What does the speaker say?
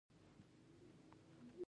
څه چي وايې په ژوند کښي ئې عملي کوه.